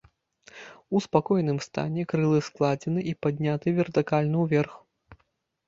У спакойным стане крылы складзены і падняты вертыкальна ўверх.